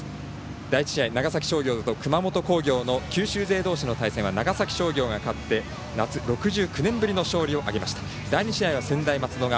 第１試合、長崎商業と熊本工業の九州勢どうしの対戦は長崎商業が勝って夏６９年ぶりの勝利。